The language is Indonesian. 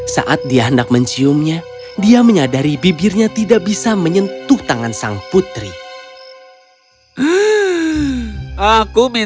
saat dia hendak menciumnya dia menyadari bibirnya tidak bisa menyentuh tangan sang putri